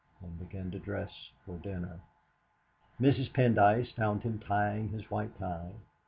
and began to dress for dinner. Mrs. Pendyce found him tying his white tie.